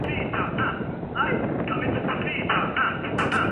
თან მოსზახიან მთანი ტყიანნი,